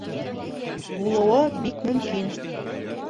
Булыуы бик мөмкин.